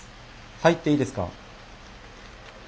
入っていいですか？